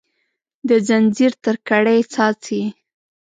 د ځنځیر تر کړۍ څاڅي